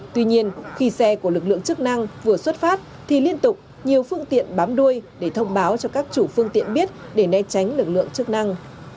tuy nhiên khi xe của lực lượng chức năng vừa xuất phát thì liên tục nhiều phương tiện bám đuôi để thông báo cho các chủ phương tiện biết để né tránh lực lượng chức năng